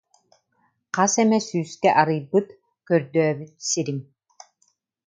Хас эмэ сүүстэ арыйбыт, көрдөөбүт сирим